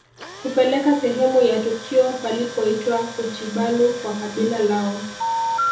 Kupeleka sehemu ya tukio palipoitwa kuchibalu kwa kabila lao